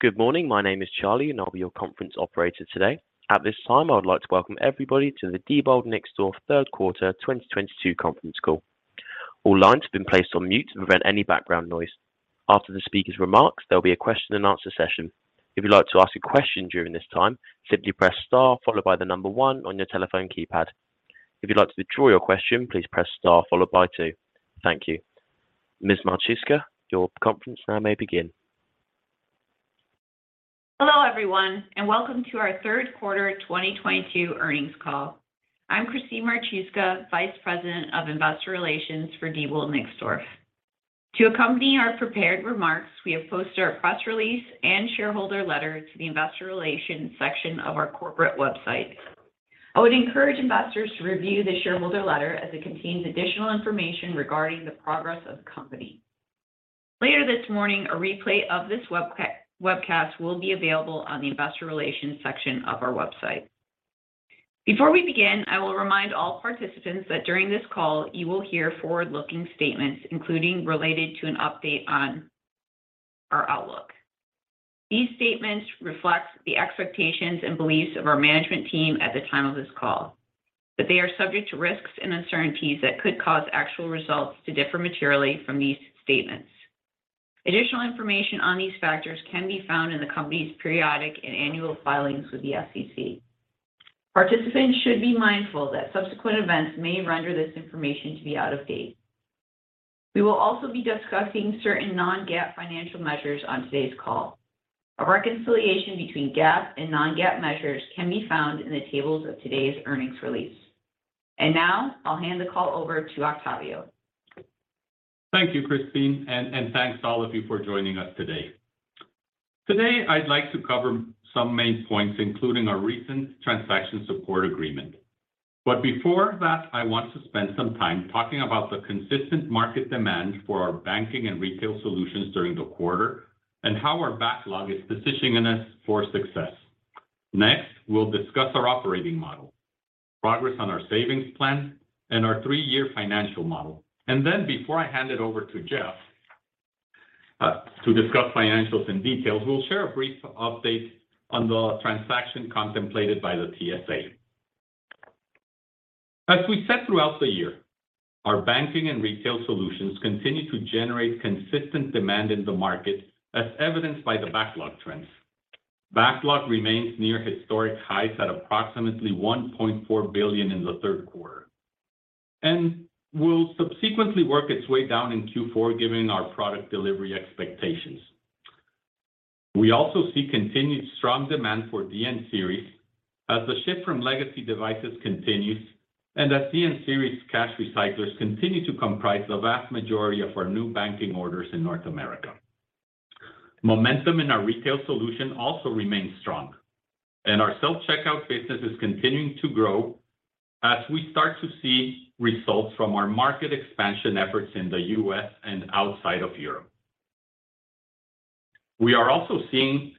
Good morning. My name is Charlie, and I'll be your conference operator today. At this time, I would like to welcome everybody to the Diebold Nixdorf third quarter 2022 conference call. All lines have been placed on mute to prevent any background noise. After the speaker's remarks, there'll be a question and answer session. If you'd like to ask a question during this time, simply press star followed by the number one on your telephone keypad. If you'd like to withdraw your question, please press star followed by two. Thank you. Ms. Marchuska, your conference now may begin. Hello, everyone, and welcome to our third quarter 2022 earnings call. I'm Christine Marchuska, Vice President of Investor Relations for Diebold Nixdorf. To accompany our prepared remarks, we have posted our press release and shareholder letter to the investor relations section of our corporate website. I would encourage investors to review the shareholder letter as it contains additional information regarding the progress of the company. Later this morning, a replay of this webcast will be available on the investor relations section of our website. Before we begin, I will remind all participants that during this call, you will hear forward-looking statements, including related to an update on our outlook. These statements reflect the expectations and beliefs of our management team at the time of this call, but they are subject to risks and uncertainties that could cause actual results to differ materially from these statements. Additional information on these factors can be found in the company's periodic and annual filings with the SEC. Participants should be mindful that subsequent events may render this information to be out of date. We will also be discussing certain non-GAAP financial measures on today's call. A reconciliation between GAAP and non-GAAP measures can be found in the tables of today's earnings release. Now I'll hand the call over to Octavio. Thank you, Christine, and thanks to all of you for joining us today. Today, I'd like to cover some main points, including our recent transaction support agreement. Before that, I want to spend some time talking about the consistent market demand for our banking and retail solutions during the quarter and how our backlog is positioning us for success. Next, we'll discuss our operating model, progress on our savings plan and our three-year financial model. Before I hand it over to Jeff, to discuss financials in detail, we'll share a brief update on the transaction contemplated by the TSA. As we said throughout the year, our banking and retail solutions continue to generate consistent demand in the market as evidenced by the backlog trends. Backlog remains near historic highs at approximately $1.4 billion in the third quarter, and will subsequently work its way down in Q4, given our product delivery expectations. We also see continued strong demand for DN Series as the shift from legacy devices continues, and as DN Series cash recyclers continue to comprise the vast majority of our new banking orders in North America. Momentum in our retail solution also remains strong, and our self-checkout business is continuing to grow as we start to see results from our market expansion efforts in the U.S. and outside of Europe. We are also seeing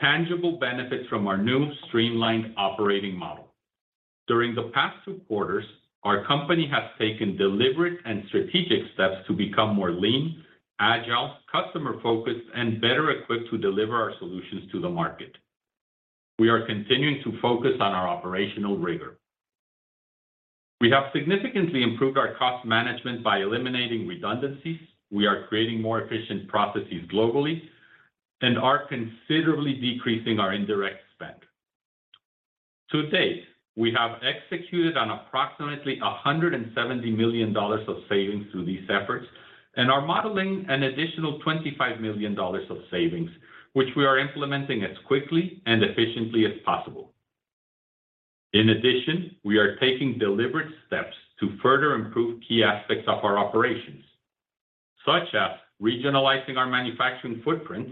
tangible benefits from our new streamlined operating model. During the past two quarters, our company has taken deliberate and strategic steps to become more lean, agile, customer-focused, and better equipped to deliver our solutions to the market. We are continuing to focus on our operational rigor. We have significantly improved our cost management by eliminating redundancies. We are creating more efficient processes globally and are considerably decreasing our indirect spend. To date, we have executed on approximately $170 million of savings through these efforts and are modeling an additional $25 million of savings, which we are implementing as quickly and efficiently as possible. In addition, we are taking deliberate steps to further improve key aspects of our operations, such as regionalizing our manufacturing footprint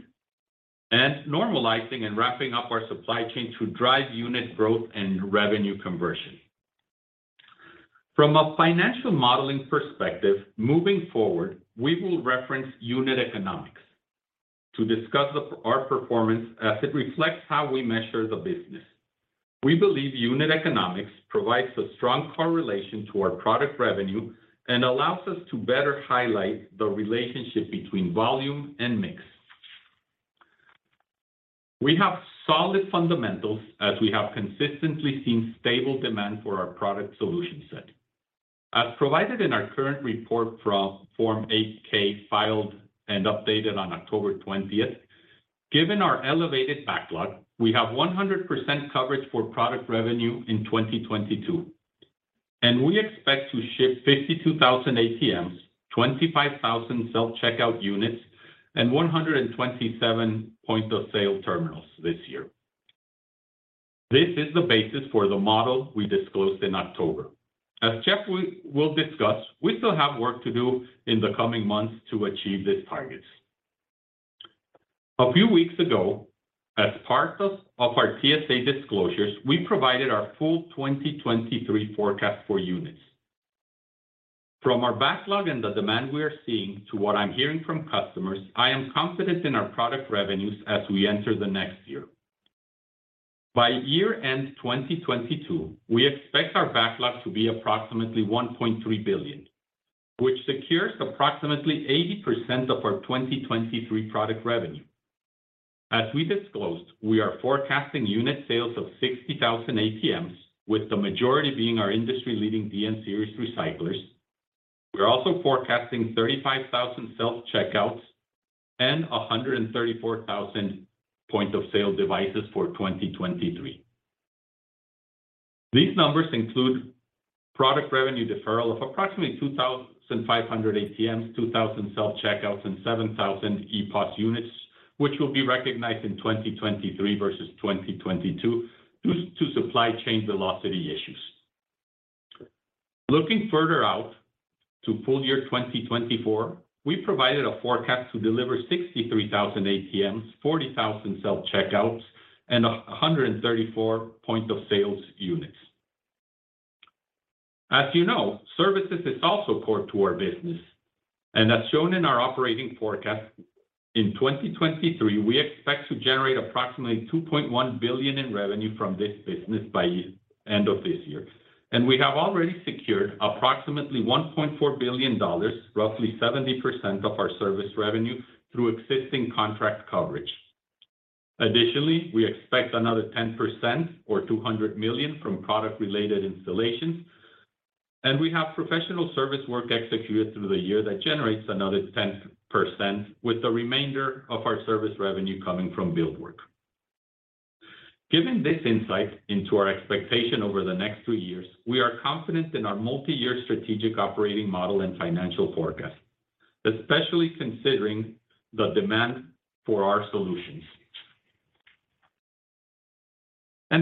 and normalizing and wrapping up our supply chain to drive unit growth and revenue conversion. From a financial modeling perspective, moving forward, we will reference unit economics to discuss our performance as it reflects how we measure the business. We believe unit economics provides a strong correlation to our product revenue and allows us to better highlight the relationship between volume and mix. We have solid fundamentals as we have consistently seen stable demand for our product solution set. As provided in our current report from Form 8-K filed and updated on October twentieth, given our elevated backlog, we have 100% coverage for product revenue in 2022, and we expect to ship 52,000 ATMs, 25,000 self-checkout units, and 127 point of sale terminals this year. This is the basis for the model we disclosed in October. As Jeff will discuss, we still have work to do in the coming months to achieve these targets. A few weeks ago, as part of our TSA disclosures, we provided our full 2023 forecast for units. From our backlog and the demand we are seeing to what I'm hearing from customers, I am confident in our product revenues as we enter the next year. By year-end 2022, we expect our backlog to be approximately $1.3 billion, which secures approximately 80% of our 2023 product revenue. As we disclosed, we are forecasting unit sales of 60,000 ATMs, with the majority being our industry-leading DN Series recyclers. We are also forecasting 35,000 self-checkouts and 134,000 point-of-sale devices for 2023. These numbers include product revenue deferral of approximately 2,500 ATMs, 2,000 self-checkouts, and 7,000 ePOS units, which will be recognized in 2023 versus 2022 due to supply chain velocity issues. Looking further out to full year 2024, we provided a forecast to deliver 63,000 ATMs, 40,000 self-checkouts, and 134 point-of-sale units. As you know, services is also core to our business. As shown in our operating forecast, in 2023, we expect to generate approximately $2.1 billion in revenue from this business by end of this year. We have already secured approximately $1.4 billion, roughly 70% of our service revenue, through existing contract coverage. Additionally, we expect another 10% or $200 million from product-related installations, and we have professional service work executed through the year that generates another 10% with the remainder of our service revenue coming from build work. Given this insight into our expectation over the next two years, we are confident in our multi-year strategic operating model and financial forecast, especially considering the demand for our solutions.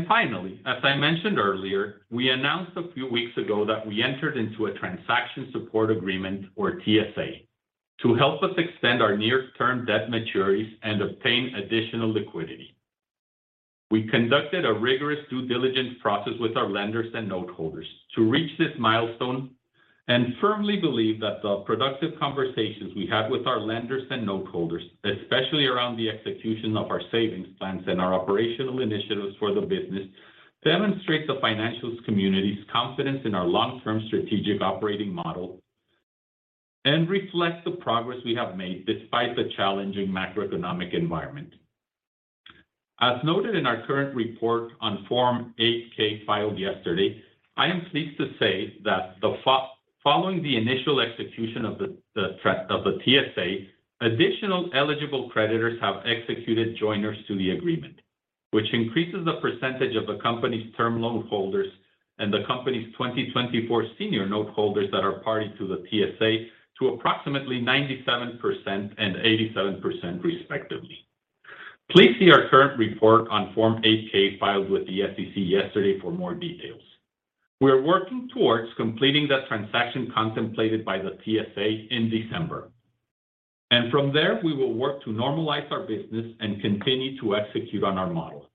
Finally, as I mentioned earlier, we announced a few weeks ago that we entered into a transaction support agreement or TSA to help us extend our near-term debt maturities and obtain additional liquidity. We conducted a rigorous due diligence process with our lenders and note holders to reach this milestone, and firmly believe that the productive conversations we had with our lenders and note holders, especially around the execution of our savings plans and our operational initiatives for the business, demonstrate the financial community's confidence in our long-term strategic operating model, and reflect the progress we have made despite the challenging macroeconomic environment. As noted in our current report on Form 8-K filed yesterday, I am pleased to say that following the initial execution of the TSA, additional eligible creditors have executed joiners to the agreement, which increases the percentage of the company's term loan holders and the company's 2024 senior note holders that are party to the TSA to approximately 97% and 87%, respectively. Please see our current report on Form 8-K filed with the SEC yesterday for more details. We are working towards completing the transaction contemplated by the TSA in December. From there, we will work to normalize our business and continue to execute on our model.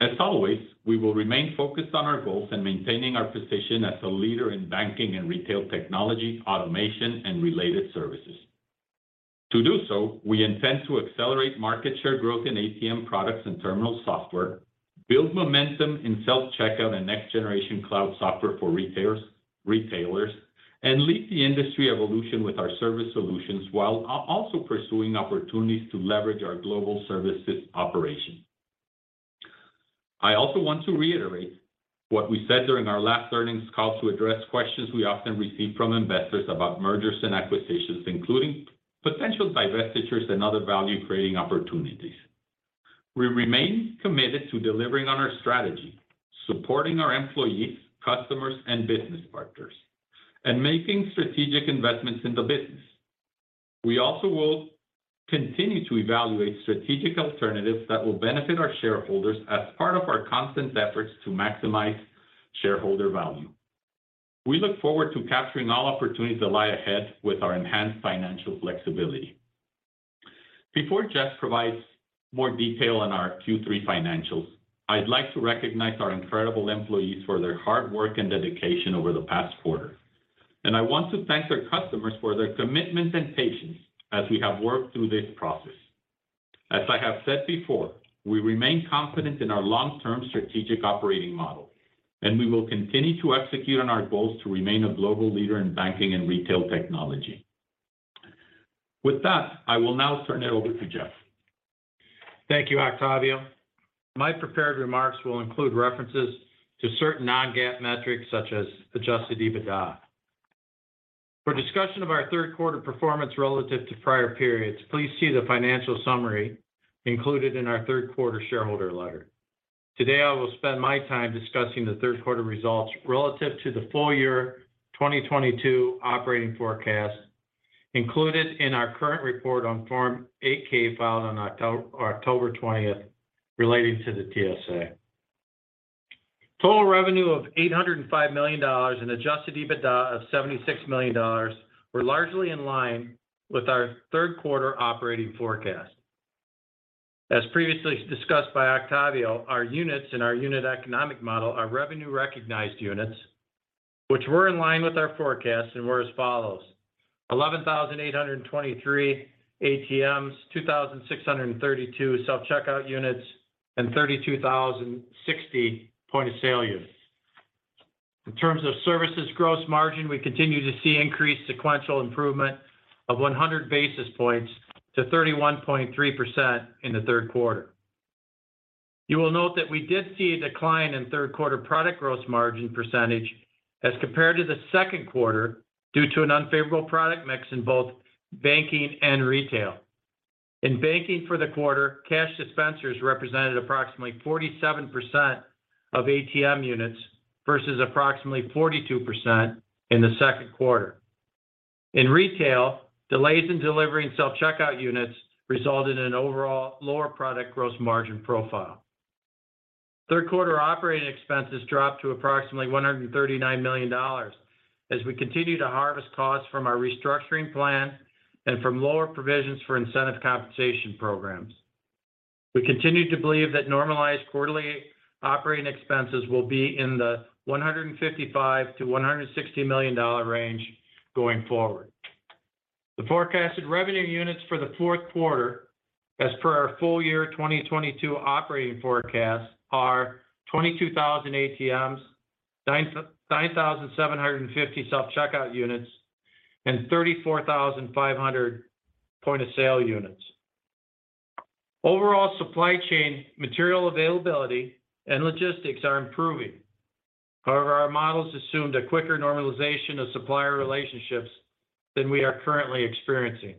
As always, we will remain focused on our goals and maintaining our position as a leader in banking and retail technology, automation, and related services. To do so, we intend to accelerate market share growth in ATM products and terminal software, build momentum in self-checkout and next-generation cloud software for retail, retailers, and lead the industry evolution with our service solutions, while also pursuing opportunities to leverage our global services operation. I also want to reiterate what we said during our last earnings call to address questions we often receive from investors about mergers and acquisitions, including potential divestitures, and other value-creating opportunities. We remain committed to delivering on our strategy, supporting our employees, customers, and business partners, and making strategic investments in the business. We also will continue to evaluate strategic alternatives that will benefit our shareholders as part of our constant efforts to maximize shareholder value. We look forward to capturing all opportunities that lie ahead with our enhanced financial flexibility. Before Jeff provides more detail on our Q3 financials, I'd like to recognize our incredible employees for their hard work and dedication over the past quarter, and I want to thank our customers for their commitment and patience as we have worked through this process. As I have said before, we remain confident in our long-term strategic operating model, and we will continue to execute on our goals to remain a global leader in banking and retail technology. With that, I will now turn it over to Jeff. Thank you, Octavio. My prepared remarks will include references to certain non-GAAP metrics such as adjusted EBITDA. For discussion of our third quarter performance relative to prior periods, please see the financial summary included in our third quarter shareholder letter. Today, I will spend my time discussing the third quarter results relative to the full year 2022 operating forecast included in our current report on Form 8-K filed on October twentieth relating to the TSA. Total revenue of $805 million and adjusted EBITDA of $76 million were largely in line with our third quarter operating forecast. As previously discussed by Octavio, our units and our unit economic model are revenue-recognized units, which were in line with our forecast and were as follows: 11,823 ATMs, 2,632 self-checkout units, and 32,060 point-of-sale units. In terms of services gross margin, we continue to see increased sequential improvement of 100 basis points to 31.3% in the third quarter. You will note that we did see a decline in third quarter product gross margin percentage as compared to the second quarter due to an unfavorable product mix in both banking and retail. In banking for the quarter, cash dispensers represented approximately 47% of ATM units versus approximately 42% in the second quarter. In retail, delays in delivering self-checkout units resulted in an overall lower product gross margin profile. Third quarter operating expenses dropped to approximately $139 million as we continue to harvest costs from our restructuring plan and from lower provisions for incentive compensation programs. We continue to believe that normalized quarterly operating expenses will be in the $155 million-$160 million range going forward. The forecasted revenue units for the fourth quarter, as per our full year 2022 operating forecast, are 22,000 ATMs, 9,750 self-checkout units, and 34,500 point-of-sale units. Overall supply chain material availability and logistics are improving. However, our models assumed a quicker normalization of supplier relationships than we are currently experiencing.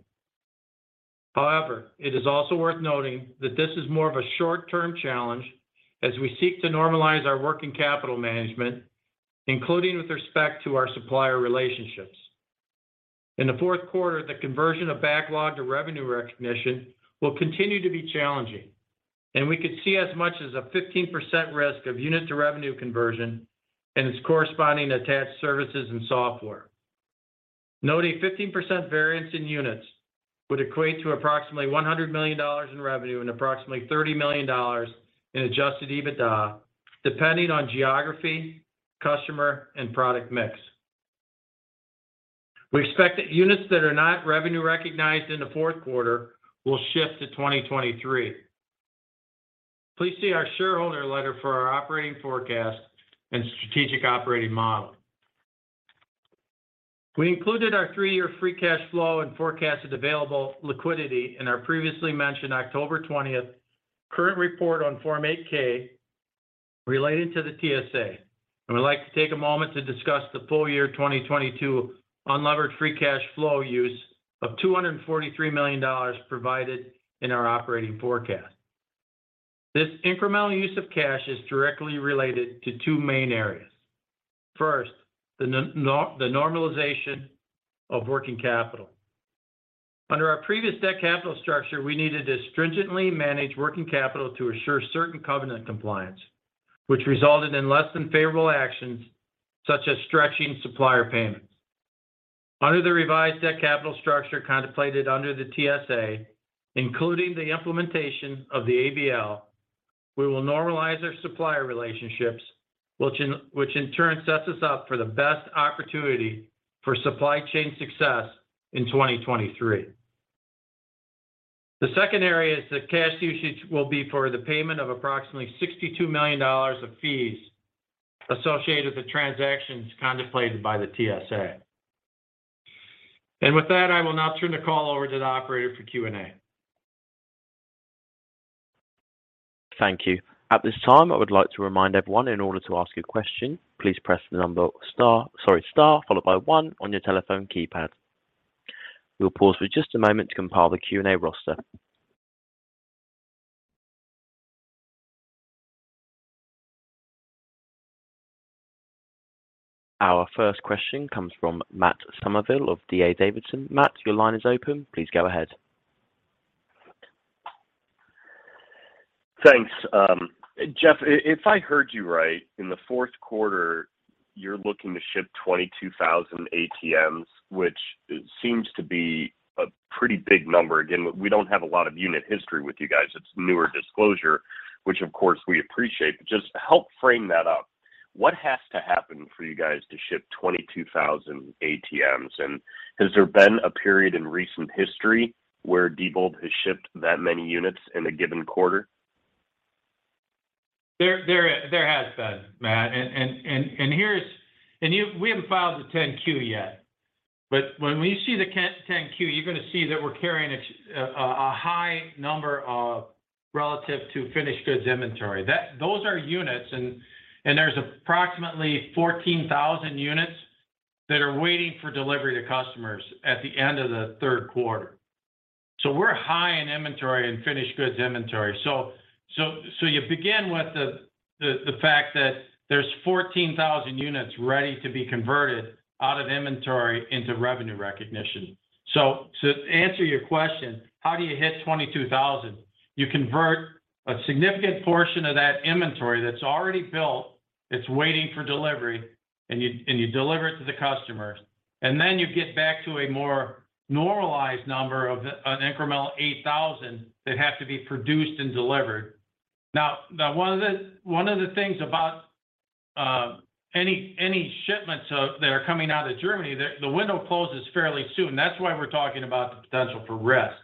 However, it is also worth noting that this is more of a short-term challenge as we seek to normalize our working capital management, including with respect to our supplier relationships. In the fourth quarter, the conversion of backlog to revenue recognition will continue to be challenging, and we could see as much as a 15% risk of unit to revenue conversion and its corresponding attached services and software. Noting 15% variance in units would equate to approximately $100 million in revenue and approximately $30 million in adjusted EBITDA, depending on geography, customer, and product mix. We expect that units that are not revenue recognized in the fourth quarter will shift to 2023. Please see our shareholder letter for our operating forecast and strategic operating model. We included our 3-year free cash flow and forecasted available liquidity in our previously mentioned October 20 current report on Form 8-K relating to the TSA. We'd like to take a moment to discuss the full year 2022 unlevered free cash flow use of $243 million provided in our operating forecast. This incremental use of cash is directly related to two main areas. First, the normalization of working capital. Under our previous debt capital structure, we needed to stringently manage working capital to assure certain covenant compliance, which resulted in less than favorable actions, such as stretching supplier payments. Under the revised debt capital structure contemplated under the TSA, including the implementation of the ABL, we will normalize our supplier relationships, which in turn sets us up for the best opportunity for supply chain success in 2023. The second area is the cash usage will be for the payment of approximately $62 million of fees associated with the transactions contemplated by the TSA. With that, I will now turn the call over to the operator for Q&A. Thank you. At this time, I would like to remind everyone in order to ask a question, please press star followed by one on your telephone keypad. We'll pause for just a moment to compile the Q&A roster. Our first question comes from Matt Summerville of D.A. Davidson. Matt, your line is open. Please go ahead. Thanks. Jeff, if I heard you right, in the fourth quarter, you're looking to ship 22,000 ATMs, which seems to be a pretty big number. Again, we don't have a lot of unit history with you guys. It's newer disclosure, which of course we appreciate. Just help frame that up. What has to happen for you guys to ship 22,000 ATMs? Has there been a period in recent history where Diebold has shipped that many units in a given quarter? There has been, Matt. We haven't filed the 10-Q yet. When we see the 10-Q, you're gonna see that we're carrying a high number relative to finished goods inventory. Those are units and there's approximately 14,000 units that are waiting for delivery to customers at the end of the third quarter. We're high in inventory and finished goods inventory. You begin with the fact that there's 14,000 units ready to be converted out of inventory into revenue recognition. To answer your question, how do you hit 22,000? You convert a significant portion of that inventory that's already built, it's waiting for delivery, and you deliver it to the customers. You get back to a more normalized number of an incremental 8,000 that have to be produced and delivered. Now one of the things about any shipments that are coming out of Germany, the window closes fairly soon. That's why we're talking about the potential for risk.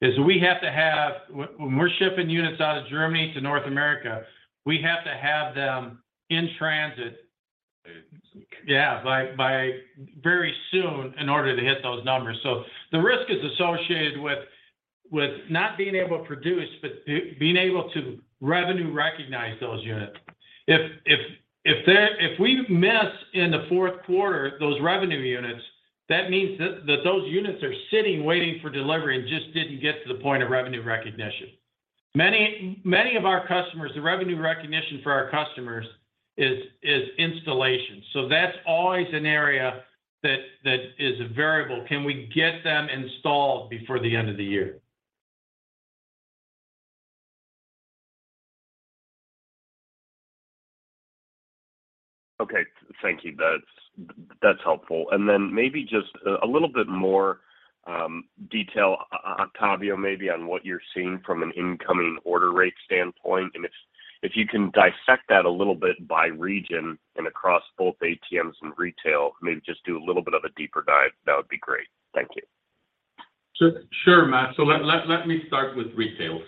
When we're shipping units out of Germany to North America, we have to have them in transit by very soon in order to hit those numbers. The risk is associated with not being able to produce, but being able to revenue recognize those units. If we miss in the fourth quarter those revenue units, that means that those units are sitting, waiting for delivery and just didn't get to the point of revenue recognition. Many of our customers, the revenue recognition for our customers is installation. That's always an area that is a variable. Can we get them installed before the end of the year? Okay. Thank you. That's helpful. Then maybe just a little bit more detail, Octavio, maybe on what you're seeing from an incoming order rate standpoint, and if you can dissect that a little bit by region and across both ATMs and retail, maybe just do a little bit of a deeper dive, that would be great. Thank you. Sure, Matt. Let me start with retail.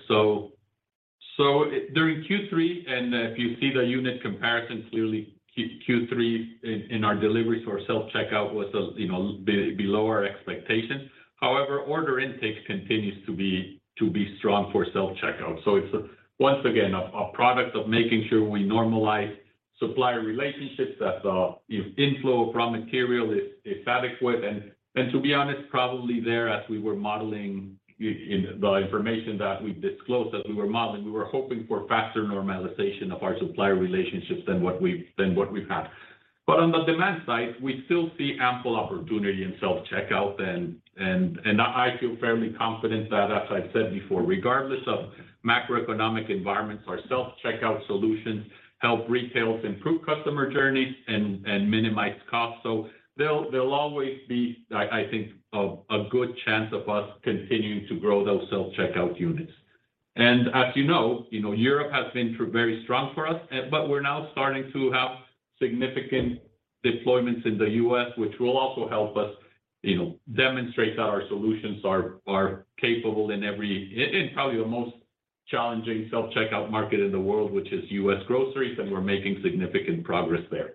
During Q3, and if you see the unit comparison, clearly Q3 in our deliveries for our self-checkout was, you know, below our expectations. However, order intake continues to be strong for self-checkout. It's once again a product of making sure we normalize supplier relationships, that the, you know, inflow of raw material is adequate. To be honest, probably there, as we were modeling in the information that we disclosed, as we were modeling, we were hoping for faster normalization of our supplier relationships than what we've had. On the demand side, we still see ample opportunity in self-checkout, and I feel fairly confident that, as I've said before, regardless of macroeconomic environments, our self-checkout solutions help retailers improve customer journeys and minimize costs. There'll always be, I think, a good chance of us continuing to grow those self-checkout units. As you know, you know, Europe has been very strong for us, but we're now starting to have significant deployments in the U.S., which will also help us, you know, demonstrate that our solutions are capable in probably the most challenging self-checkout market in the world, which is U.S. groceries, and we're making significant progress there.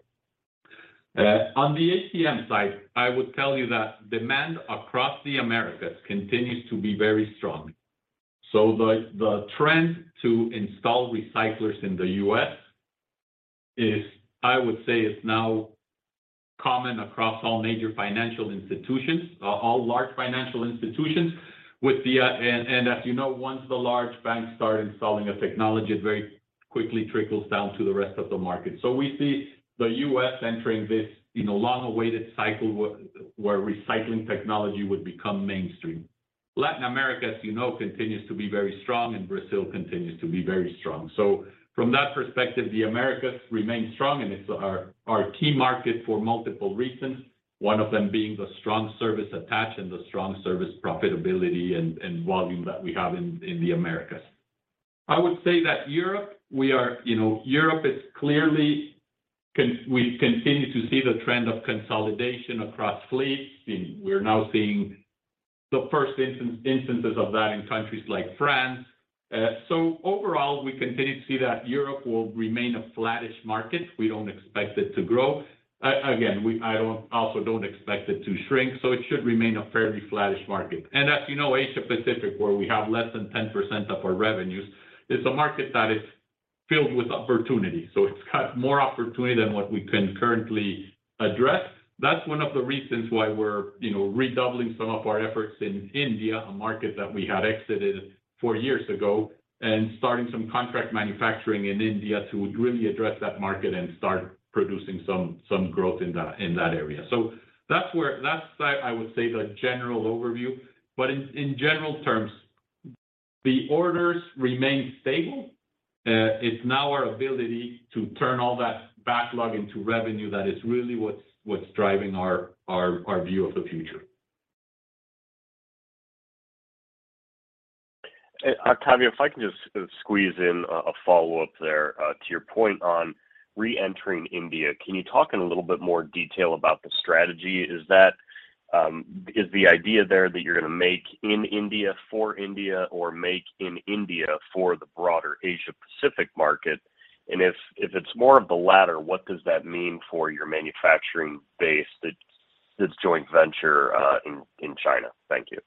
On the ATM side, I would tell you that demand across the Americas continues to be very strong. The trend to install recyclers in the U.S. is, I would say, is now common across all major financial institutions, all large financial institutions. As you know, once the large banks start installing a technology, it very quickly trickles down to the rest of the market. We see the U.S. entering this, you know, long-awaited cycle where recycling technology would become mainstream. Latin America, as you know, continues to be very strong, and Brazil continues to be very strong. From that perspective, the Americas remain strong, and it's our key market for multiple reasons, one of them being the strong service attach and the strong service profitability and volume that we have in the Americas. I would say that Europe, you know, we continue to see the trend of consolidation across fleets. We're now seeing the first instances of that in countries like France. Overall, we continue to see that Europe will remain a flattish market. We don't expect it to grow. Again, I also don't expect it to shrink, so it should remain a fairly flattish market. As you know, Asia-Pacific, where we have less than 10% of our revenues, is a market that is filled with opportunity. It's got more opportunity than what we can currently address. That's one of the reasons why we're, you know, redoubling some of our efforts in India, a market that we had exited four years ago, and starting some contract manufacturing in India to really address that market and start producing some growth in that area. So that's where I would say the general overview. But in general terms, the orders remain stable. It's now our ability to turn all that backlog into revenue that is really what's driving our view of the future. Octavio, if I can just squeeze in a follow-up there, to your point on reentering India. Can you talk in a little bit more detail about the strategy? Is the idea there that you're gonna make in India for India or make in India for the broader Asia-Pacific market? If it's more of the latter, what does that mean for your manufacturing base, that this joint venture in China? Thank you.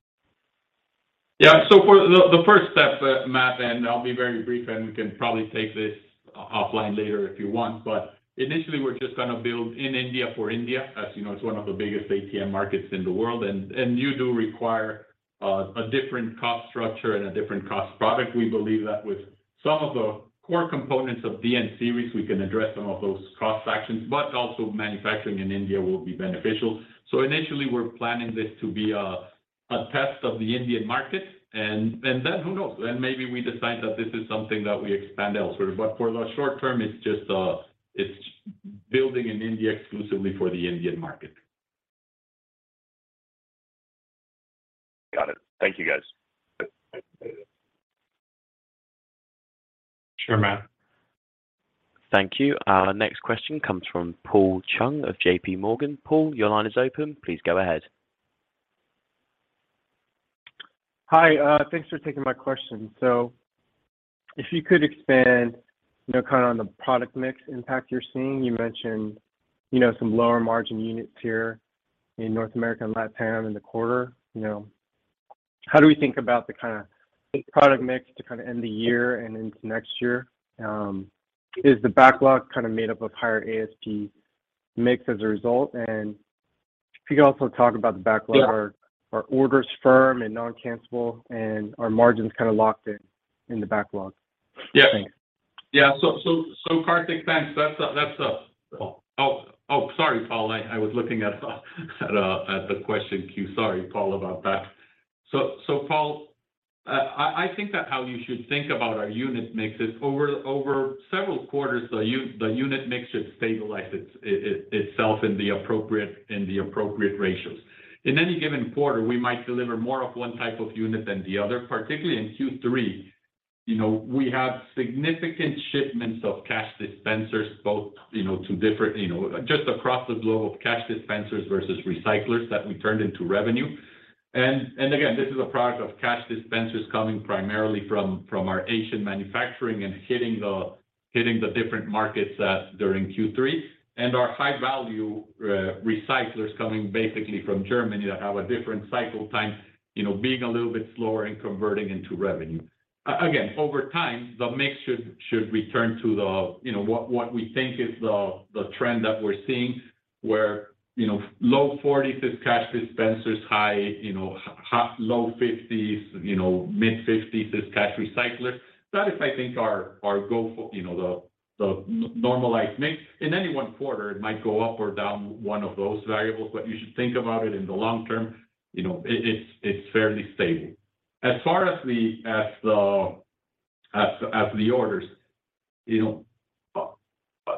Yeah. For the first step, Matt, and I'll be very brief, and we can probably take this offline later if you want, but initially, we're just gonna build in India for India. As you know, it's one of the biggest ATM markets in the world, and you do require a different cost structure and a different cost product. We believe that with some of the core components of DN Series, we can address some of those cost factors, but also manufacturing in India will be beneficial. Initially, we're planning this to be a test of the Indian market, and then who knows. Then maybe we decide that this is something that we expand elsewhere. For the short term, it's just building in India exclusively for the Indian market. Got it. Thank you, guys. Sure, Matt. Thank you. Our next question comes from Paul Chung of J.P. Morgan. Paul, your line is open. Please go ahead. Hi, thanks for taking my question. If you could expand, you know, kind of on the product mix impact you're seeing. You mentioned, you know, some lower margin units here in North America and Latin America in the quarter, you know. How do we think about the kind of product mix to kind of end the year and into next year? Is the backlog kind of made up of higher ASP mix as a result? If you could also talk about the backlog or orders firm and non-cancelable, and are margins kind of locked in the backlog. Yeah. Thanks. Yeah. Karthik, thanks. Sorry, Paul. I was looking at the question queue. Sorry, Paul, about that. Paul, I think that how you should think about our unit mix is over several quarters, the unit mix should stabilize itself in the appropriate ratios. In any given quarter, we might deliver more of one type of unit than the other, particularly in Q3. You know, we have significant shipments of cash dispensers both, you know, to different, you know, just across the globe, cash dispensers versus recyclers that we turned into revenue. Again, this is a product of cash dispensers coming primarily from our Asian manufacturing and hitting the different markets during Q3. Our high-value recyclers coming basically from Germany that have a different cycle time, you know, being a little bit slower in converting into revenue. Again, over time, the mix should return to the, you know, what we think is the trend that we're seeing where, you know, low 40s% [is] cash dispensers, high, you know, high, low 50s%, you know, mid-50s% [is] cash recycler. That is, I think our goal for, you know, the normalized mix. In any one quarter it might go up or down one of those variables, but you should think about it in the long term, you know, it's fairly stable. As far as the orders, you know,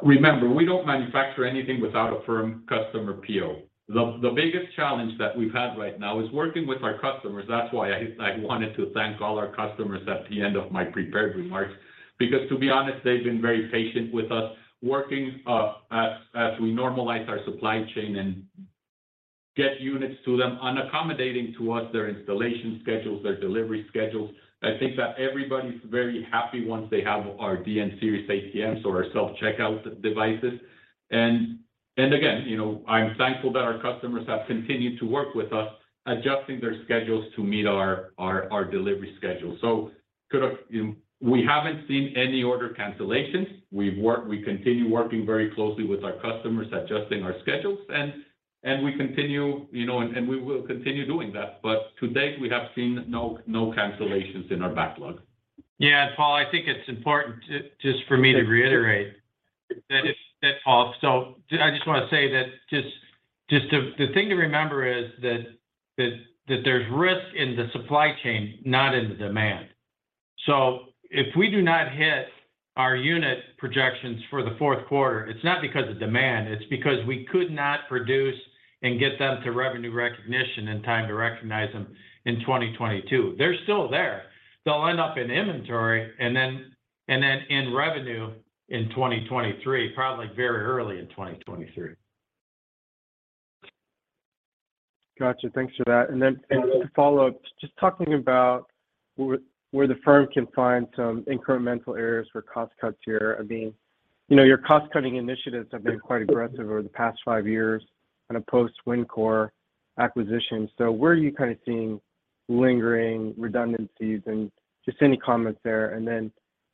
remember, we don't manufacture anything without a firm customer PO. The biggest challenge that we've had right now is working with our customers. That's why I wanted to thank all our customers at the end of my prepared remarks, because to be honest, they've been very patient with us working as we normalize our supply chain and get units to them, and accommodating to us their installation schedules, their delivery schedules. I think that everybody's very happy once they have our DN Series ATMs or our self-checkout devices. Again, you know, I'm thankful that our customers have continued to work with us, adjusting their schedules to meet our delivery schedule. We haven't seen any order cancellations. We continue working very closely with our customers, adjusting our schedules, and we continue, you know, and we will continue doing that. To date, we have seen no cancellations in our backlog. Yeah. Paul, I think it's important just for me to reiterate that, Paul. I just wanna say that just the thing to remember is that there's risk in the supply chain, not in the demand. So if we do not hit our unit projections for the fourth quarter, it's not because of demand, it's because we could not produce and get them to revenue recognition in time to recognize them in 2022. They're still there. They'll end up in inventory and then in revenue in 2023, probably very early in 2023. Gotcha. Thanks for that. Then to follow up, just talking about where the firm can find some incremental areas for cost cuts here. I mean, you know, your cost-cutting initiatives have been quite aggressive over the past five years in a post Wincor acquisition. Where are you kind of seeing lingering redundancies, and just any comments there. Then,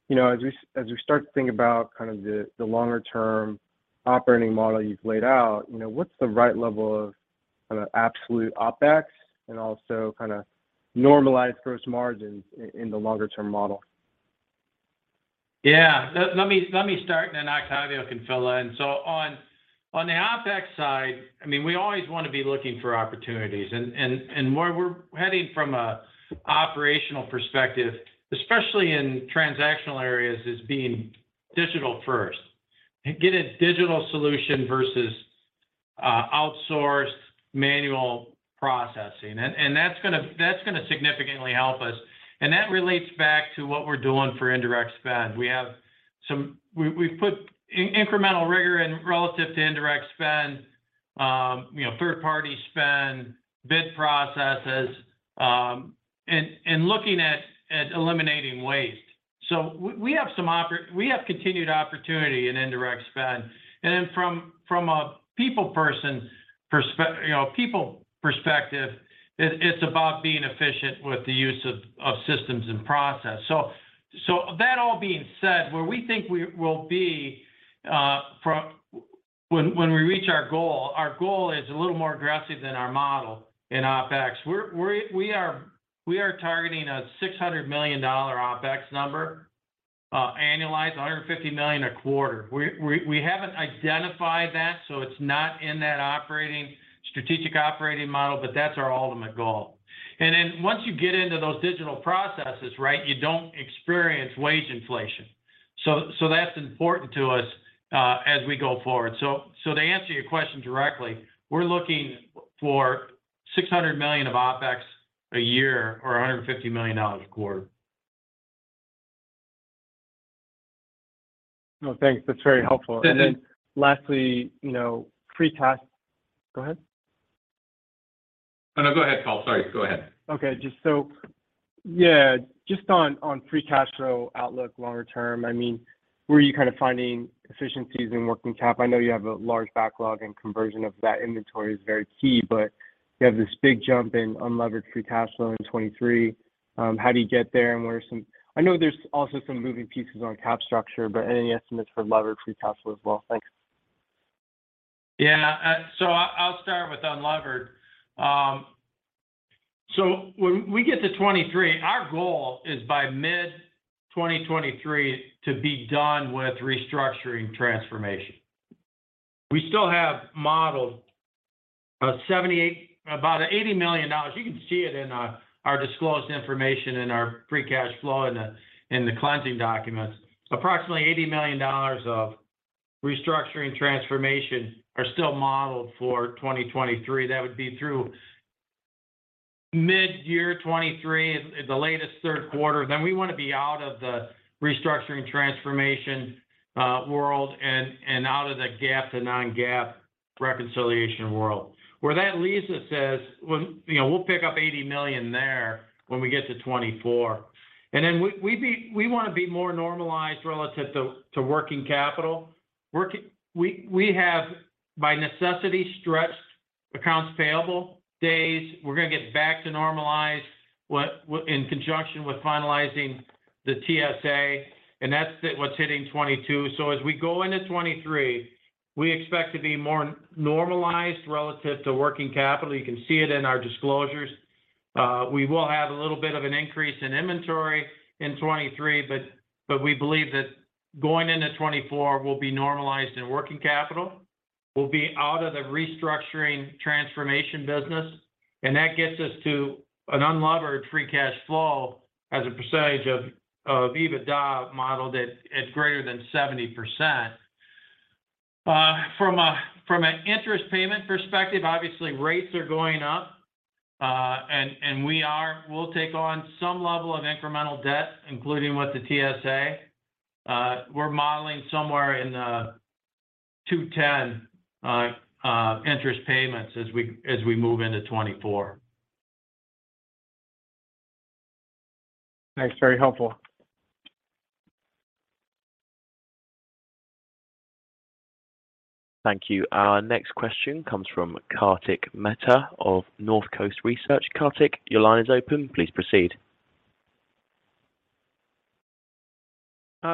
you know, as we start to think about kind of the longer-term operating model you've laid out, you know, what's the right level of kinda absolute OpEx and also kinda normalized gross margins in the longer-term model? Yeah. Let me start and then Octavio can fill in. On the OpEx side, I mean, we always want to be looking for opportunities and where we're heading from a operational perspective, especially in transactional areas, is being digital first. Get a digital solution versus outsourced manual processing. That's gonna significantly help us. That relates back to what we're doing for indirect spend. We've put incremental rigor in relation to indirect spend, you know, third party spend, bid processes, and looking at eliminating waste. We have continued opportunity in indirect spend. Then from a people perspective, you know, it's about being efficient with the use of systems and process. That all being said, where we think we will be from when we reach our goal, our goal is a little more aggressive than our model in OpEx. We are targeting a $600 million OpEx number, annualized $150 million a quarter. We haven't identified that, so it's not in that operating, strategic operating model, but that's our ultimate goal. Once you get into those digital processes, right, you don't experience wage inflation. That's important to us, as we go forward. To answer your question directly, we're looking for $600 million of OpEx a year or $150 million a quarter. No, thanks. That's very helpful. And then- Then lastly, you know, free cash. Go ahead. Oh, no, go ahead, Paul. Sorry. Go ahead. Just on free cash flow outlook longer term, I mean, where are you kind of finding efficiencies in working cap? I know you have a large backlog, and conversion of that inventory is very key, but you have this big jump in unlevered free cash flow in 2023. How do you get there, I know there's also some moving pieces on cap structure, but any estimates for levered free cash flow as well? Thanks. I'll start with unlevered. When we get to 2023, our goal is by mid-2023 to be done with restructuring transformation. We still have modeled about $80 million. You can see it in our disclosed information in our free cash flow in the closing documents. Approximately $80 million of restructuring transformation are still modeled for 2023. That would be through mid-year 2023 at the latest third quarter. We want to be out of the restructuring transformation world and out of the GAAP to non-GAAP reconciliation world. Where that leads us is, you know, we'll pick up $80 million there when we get to 2024. We want to be more normalized relative to working capital. We have by necessity stretched accounts payable days. We're going to get back to normalized working capital in conjunction with finalizing the TSA, and that's what's hitting 2022. As we go into 2023, we expect to be more normalized relative to working capital. You can see it in our disclosures. We will have a little bit of an increase in inventory in 2023, but we believe that going into 2024, we'll be normalized in working capital. We'll be out of the restructuring transformation business, and that gets us to an unlevered free cash flow as a percentage of EBITDA model that is greater than 70%. From an interest payment perspective, obviously rates are going up, and we'll take on some level of incremental debt, including with the TSA. We're modeling somewhere in $210 interest payments as we move into 2024. Thanks. Very helpful. Thank you. Our next question comes from Kartik Mehta of Northcoast Research. Kartik, your line is open. Please proceed.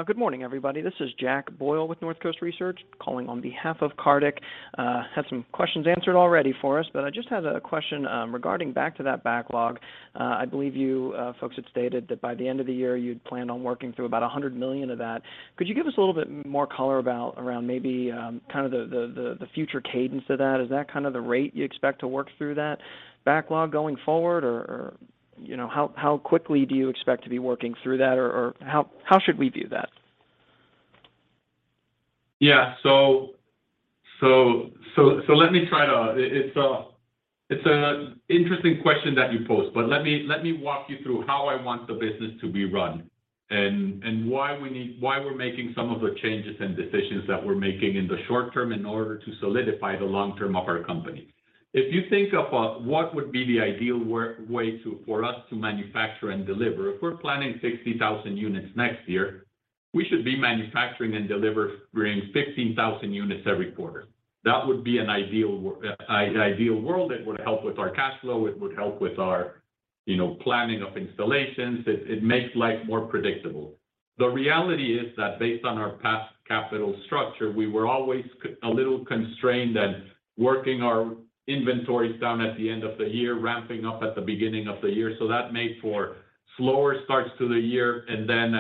Good morning, everybody. This is Jack Boyle with Northcoast Research, calling on behalf of Kartik. Had some questions answered already for us, but I just had a question regarding back to that backlog. I believe you folks had stated that by the end of the year, you'd planned on working through about $100 million of that. Could you give us a little bit more color about around maybe kind of the future cadence of that? Is that kind of the rate you expect to work through that backlog going forward or, you know, how quickly do you expect to be working through that, or how should we view that? It's an interesting question that you pose, but let me walk you through how I want the business to be run and why we're making some of the changes and decisions that we're making in the short term in order to solidify the long term of our company. If you think about what would be the ideal world way for us to manufacture and deliver, if we're planning 60,000 units next year, we should be manufacturing and delivering 15,000 units every quarter. That would be an ideal world. It would help with our cash flow. It would help with our, you know, planning of installations. It makes life more predictable. The reality is that based on our past capital structure, we were always a little constrained and working our inventories down at the end of the year, ramping up at the beginning of the year. That made for slower starts to the year and then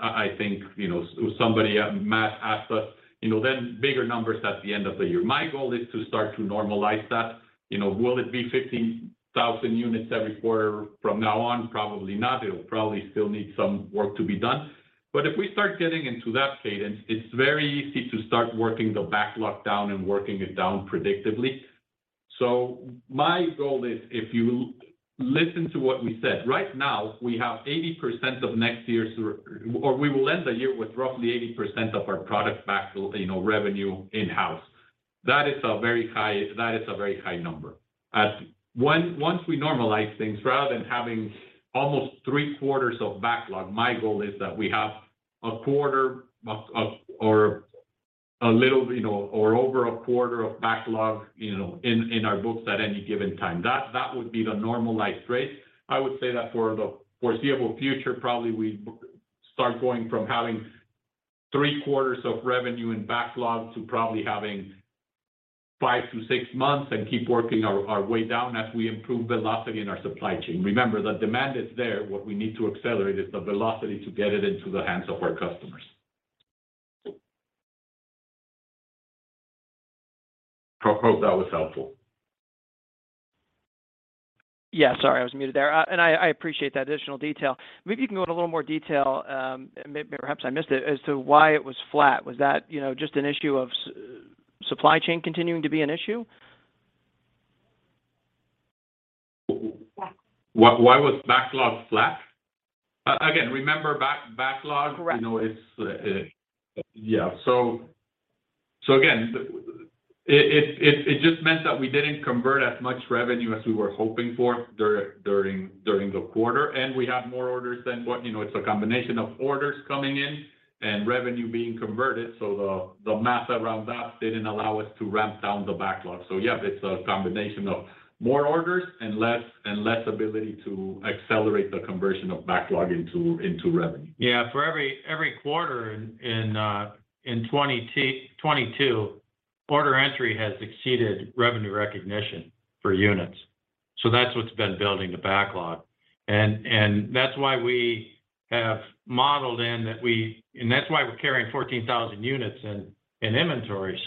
I think, you know, somebody, Matt asked us, you know, then bigger numbers at the end of the year. My goal is to start to normalize that. You know, will it be 15,000 units every quarter from now on? Probably not. It'll probably still need some work to be done. But if we start getting into that cadence, it's very easy to start working the backlog down and working it down predictably. My goal is, if you listen to what we said, right now, we have 80% of next year's or we will end the year with roughly 80% of our product factual, you know, revenue in-house. That is a very high number. Once we normalize things, rather than having almost three-quarters of backlog, my goal is that we have a quarter of or a little, you know, or over a quarter of backlog, you know, in our books at any given time. That would be the normalized rate. I would say that for the foreseeable future, probably we start going from having three-quarters of revenue in backlog to probably having 5-6 months and keep working our way down as we improve velocity in our supply chain. Remember, the demand is there. What we need to accelerate is the velocity to get it into the hands of our customers. Hope that was helpful. Yeah, sorry, I was muted there. I appreciate that additional detail. Maybe you can go into a little more detail, perhaps I missed it, as to why it was flat. Was that, you know, just an issue of supply chain continuing to be an issue? Why was backlog flat? Again, remember backlog. Correct You know, it's. Yeah. Again, it just meant that we didn't convert as much revenue as we were hoping for during the quarter. We have more orders than what. You know, it's a combination of orders coming in and revenue being converted. The math around that didn't allow us to ramp down the backlog. Yeah, it's a combination of more orders and less ability to accelerate the conversion of backlog into revenue. For every quarter in 2022, order entry has exceeded revenue recognition for units. That's what's been building the backlog. That's why we have modeled in that we're carrying 14,000 units in inventory.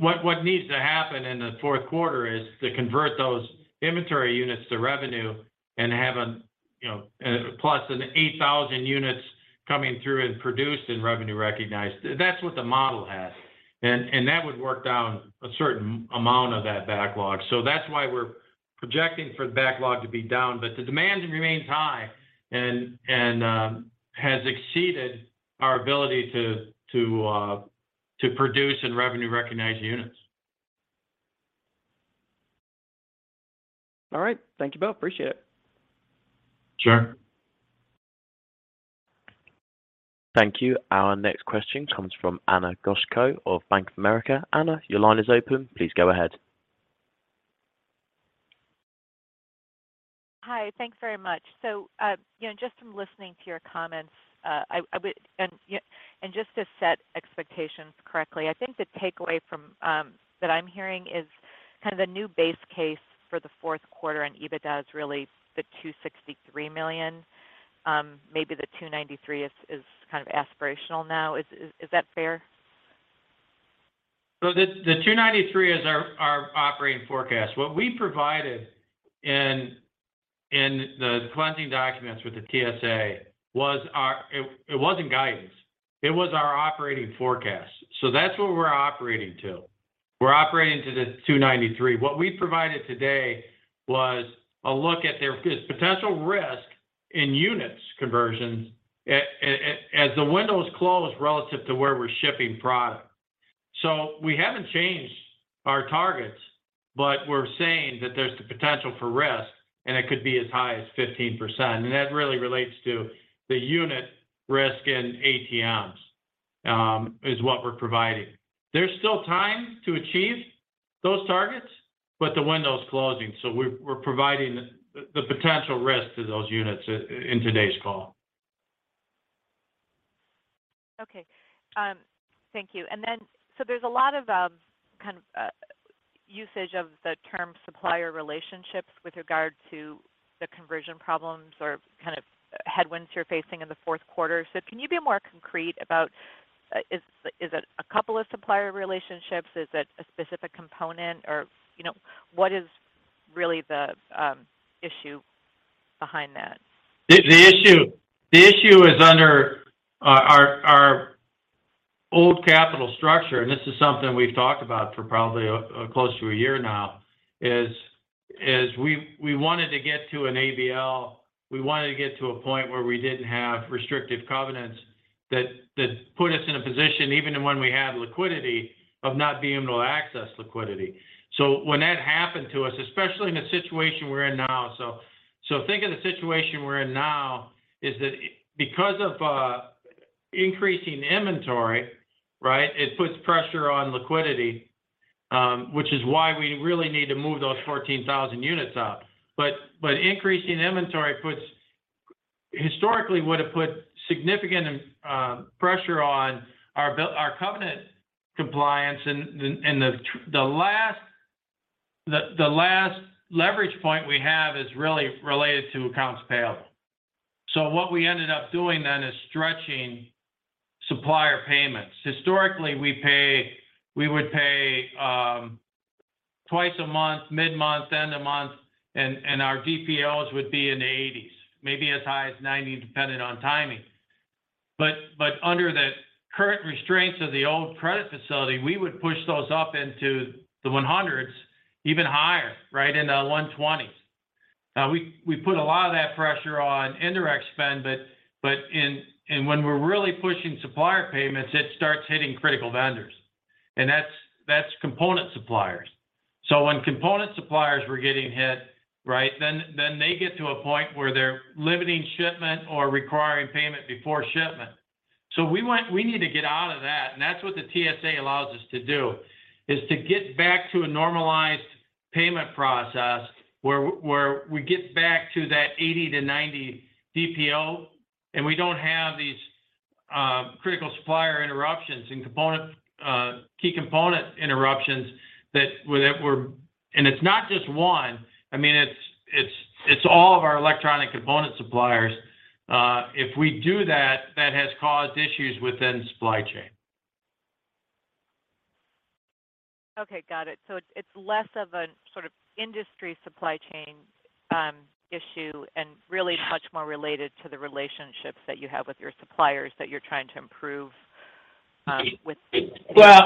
What needs to happen in the fourth quarter is to convert those inventory units to revenue and have a, you know, plus 8,000 units coming through and produced and revenue recognized. That's what the model has. That would work down a certain amount of that backlog. That's why we're projecting for the backlog to be down. The demand remains high and has exceeded our ability to produce and revenue recognize units. All right. Thank you, Bill. Appreciate it. Sure. Thank you. Our next question comes from Ana Goshko of Bank of America. Anna, your line is open. Please go ahead. Hi. Thanks very much. You know, just from listening to your comments, and just to set expectations correctly, I think the takeaway from that I'm hearing is kind of the new base case for the fourth quarter and EBITDA is really the $263 million. Maybe the $293 million is kind of aspirational now. Is that fair? The 293 is our operating forecast. What we provided in the closing documents with the TSA wasn't guidance. It was our operating forecast. That's what we're operating to. We're operating to the 293. What we provided today was a look at the potential risk in units conversions as the windows close relative to where we're shipping product. We haven't changed our targets, but we're saying that there's the potential for risk, and it could be as high as 15%. That really relates to the unit risk in ATMs is what we're providing. There's still time to achieve those targets, but the window is closing, so we're providing the potential risk to those units in today's call. Okay. Thank you. There's a lot of kind of usage of the term supplier relationships with regard to the conversion problems or kind of headwinds you're facing in the fourth quarter. Can you be more concrete about is it a couple of supplier relationships? Is it a specific component? Or, you know, what is really the issue behind that? The issue is under our old capital structure, and this is something we've talked about for probably close to a year now, we wanted to get to an ABL. We wanted to get to a point where we didn't have restrictive covenants that put us in a position, even when we had liquidity, of not being able to access liquidity. When that happened to us, especially in the situation we're in now. Think of the situation we're in now is that because of increasing inventory, right, it puts pressure on liquidity, which is why we really need to move those 14,000 units out. Increasing inventory historically would have put significant pressure on our covenant compliance. The last leverage point we have is really related to accounts payable. What we ended up doing then is stretching supplier payments. Historically, we would pay twice a month, mid-month, end of month, and our DPOs would be in the 80s, maybe as high as 90, depending on timing. Under the current restraints of the old credit facility, we would push those up into the 100s, even higher, right, in the 120s. We put a lot of that pressure on indirect spend, but when we're really pushing supplier payments, it starts hitting critical vendors. That's component suppliers. When component suppliers were getting hit, right, then they get to a point where they're limiting shipment or requiring payment before shipment. We need to get out of that, and that's what the TSA allows us to do, is to get back to a normalized payment process where we get back to that 80-90 DPO, and we don't have these critical supplier interruptions and component key component interruptions that were. It's not just one. I mean, it's all of our electronic component suppliers. If we do that has caused issues within supply chain. Okay, got it. It's less of a sort of industry supply chain issue and really much more related to the relationships that you have with your suppliers that you're trying to improve, with- Yeah,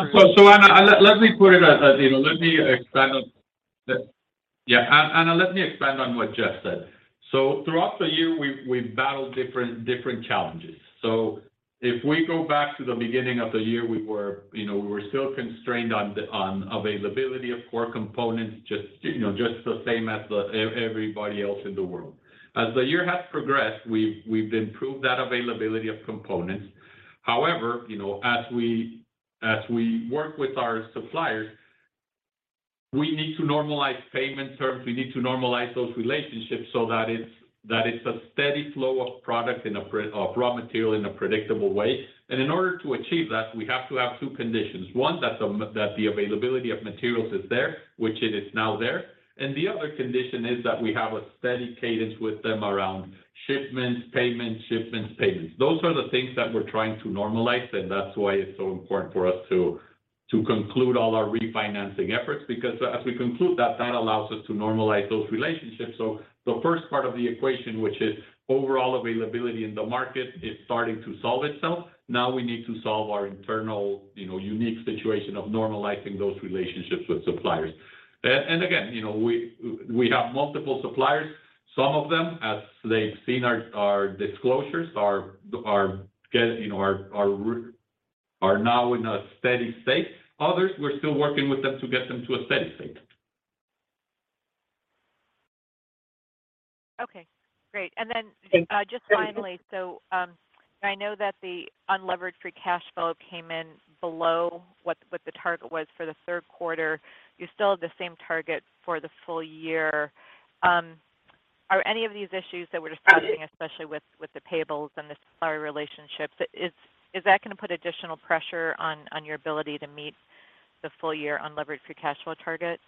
Ana, let me expand on what Jeff said. Throughout the year, we've battled different challenges. If we go back to the beginning of the year, we were still constrained on the availability of core components just the same as everybody else in the world. As the year has progressed, we've improved that availability of components. However, as we work with our suppliers, we need to normalize payment terms. We need to normalize those relationships so that it's a steady flow of product of raw material in a predictable way. In order to achieve that, we have to have two conditions. One, that the availability of materials is there, which it is now there, and the other condition is that we have a steady cadence with them around shipments, payments. Those are the things that we're trying to normalize, and that's why it's so important for us to conclude all our refinancing efforts because as we conclude that allows us to normalize those relationships. The first part of the equation, which is overall availability in the market, is starting to solve itself. Now we need to solve our internal, you know, unique situation of normalizing those relationships with suppliers. Again, you know, we have multiple suppliers. Some of them, as they've seen our disclosures, are now in a steady state. Others, we're still working with them to get them to a steady state. Okay, great. Just finally. I know that the unlevered free cash flow came in below what the target was for the third quarter. You still have the same target for the full year. Are any of these issues that we're discussing, especially with the payables and the supplier relationships, is that gonna put additional pressure on your ability to meet the full year unlevered free cash flow target?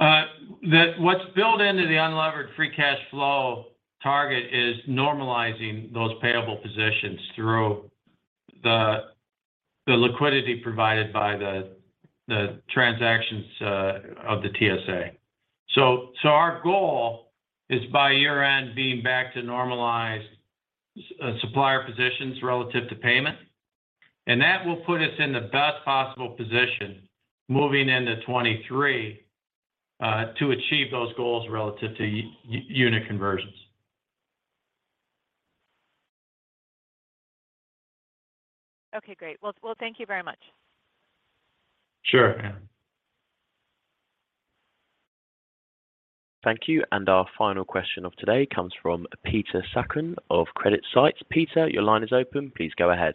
What's built into the unlevered free cash flow target is normalizing those payable positions through the liquidity provided by the transactions of the TSA. Our goal is by year-end, being back to normalized supplier positions relative to payment. That will put us in the best possible position moving into 2023 to achieve those goals relative to unit conversions. Okay, great. Well, thank you very much. Sure. Thank you. Our final question of today comes from Peter Sakon of CreditSights. Peter, your line is open. Please go ahead.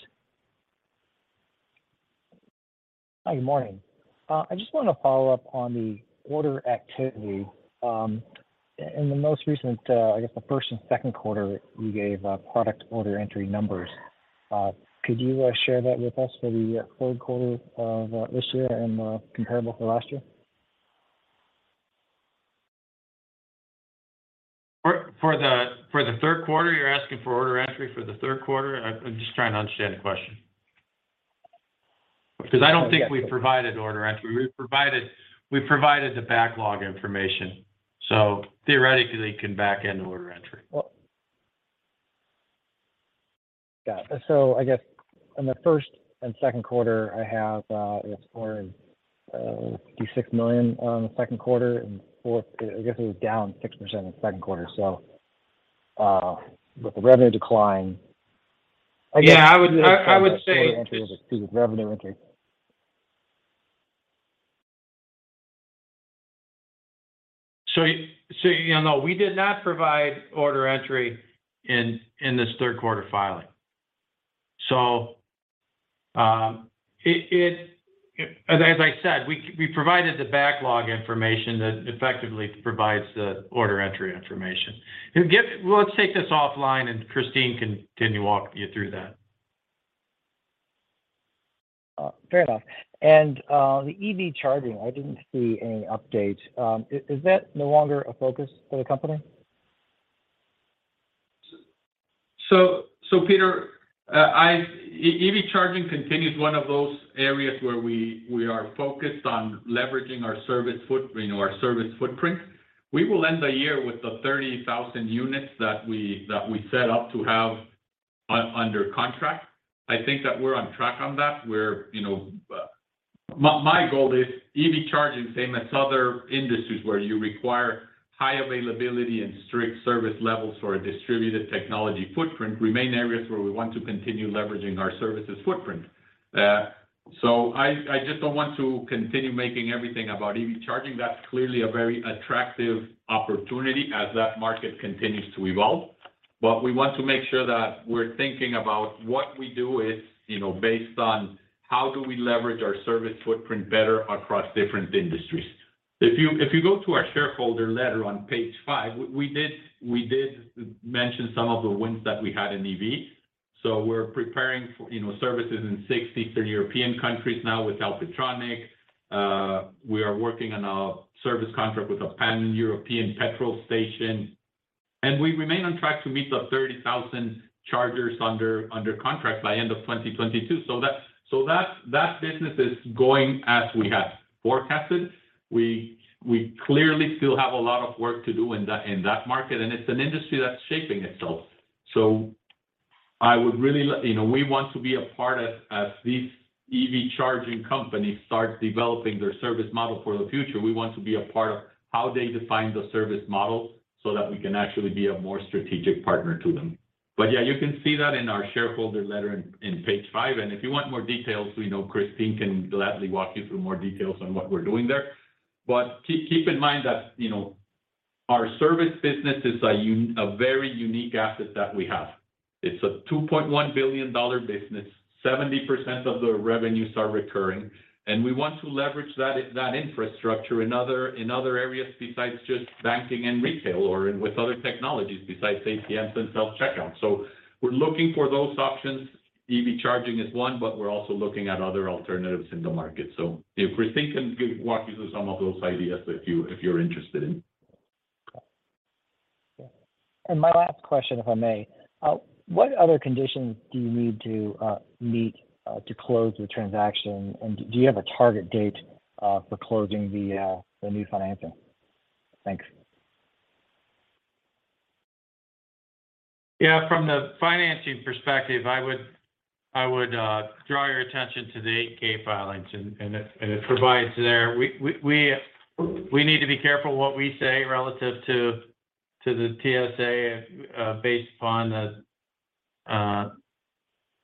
Hi, good morning. I just wanna follow up on the order activity. In the most recent, I guess, the first and second quarter, you gave product order entry numbers. Could you share that with us for the third quarter of this year and comparable for last year? For the third quarter, you're asking for order entry for the third quarter? I'm just trying to understand the question. Because I don't think we provided order entry. We provided the backlog information, theoretically you can back into order entry. Well, got it. I guess in the first and second quarter, I have, I guess order $56 million on the second quarter and fourth, I guess it was down 6% in the second quarter. With the revenue decline, I guess- Yeah, I would say. to the revenue entry. You know, we did not provide order entry in this third quarter filing. As I said, we provided the backlog information that effectively provides the order entry information. Well, let's take this offline and Christine can walk you through that. Fair enough. The EV charging, I didn't see any updates. Is that no longer a focus for the company? Peter, EV charging continues one of those areas where we are focused on leveraging our service footprint, you know. We will end the year with the 30,000 units that we set out to have under contract. I think that we're on track on that. We're, you know. My goal is EV charging, same as other industries where you require high availability and strict service levels for a distributed technology footprint, remain areas where we want to continue leveraging our services footprint. I just don't want to continue making everything about EV charging. That's clearly a very attractive opportunity as that market continues to evolve. We want to make sure that we're thinking about what we do is, you know, based on how do we leverage our service footprint better across different industries. If you go to our shareholder letter on page 5, we did mention some of the wins that we had in EV. We're preparing for, you know, services in 6 Eastern European countries now with Alpitronic. We are working on a service contract with a pan-European petrol station, and we remain on track to meet the 30,000 chargers under contract by end of 2022. That's that business is going as we had forecasted. We clearly still have a lot of work to do in that market, and it's an industry that's shaping itself. I would really like. You know, we want to be a part of, as these EV charging companies start developing their service model for the future, we want to be a part of how they define the service model so that we can actually be a more strategic partner to them. Yeah, you can see that in our shareholder letter in page 5. If you want more details, we know Christine Marchuska can gladly walk you through more details on what we're doing there. Keep in mind that, you know, our service business is a very unique asset that we have. It's a $2.1 billion business. 70% of the revenues are recurring, and we want to leverage that infrastructure in other areas besides just banking and retail or in with other technologies besides ATMs and self-checkouts. We're looking for those options. EV charging is one, but we're also looking at other alternatives in the market. If we're thinking, we walk you through some of those ideas if you're interested in. Yeah. My last question, if I may. What other conditions do you need to meet to close the transaction? Do you have a target date for closing the new financing? Thanks. Yeah, from the financing perspective, I would draw your attention to the 8-K filings, and it provides there. We need to be careful what we say relative to the TSA based upon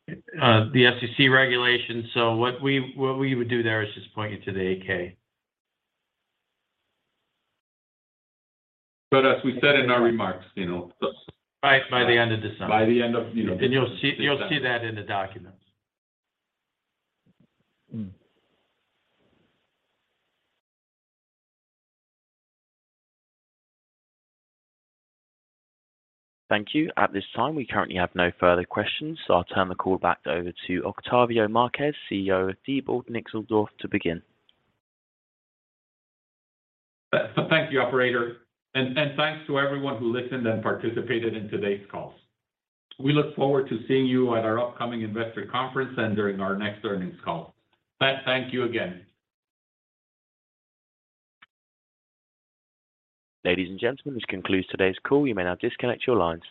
the SEC regulations. What we would do there is just point you to the 8-K. As we said in our remarks, you know. Right by the end of December. By the end of, you know. You'll see that in the documents. Mm. Thank you. At this time, we currently have no further questions, so I'll turn the call back over to Octavio Marquez, CEO of Diebold Nixdorf to begin. Thank you, operator. Thanks to everyone who listened and participated in today's call. We look forward to seeing you at our upcoming investor conference and during our next earnings call. Thank you again. Ladies and gentlemen, this concludes today's call. You may now disconnect your lines.